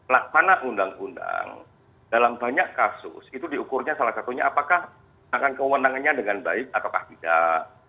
laksana undang undang dalam banyak kasus itu diukurnya salah satunya apakah akan kewenangannya dengan baik ataukah tidak